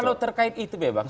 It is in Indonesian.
kalau terkait itu ya bang